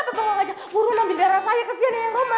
suster kenapa bangun aja burung ambil darah saya kesian yang roman